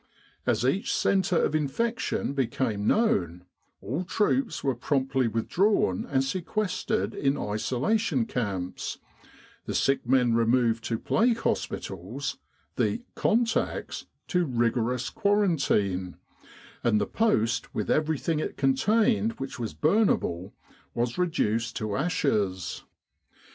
As each centre of infection became known, all troops were promptly withdrawn and sequestered in isolation camps, the sick men removed to plague hospitals, the "contacts" to rigorous quarantine, and the Post with everything it contained which was burnable was reduced to ashes.